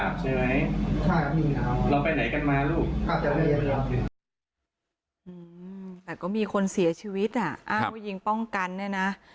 อืมมมมมมมก็มีคนเสียชีวิตอ่ะมาเอายิงป้องกันน่ะนะ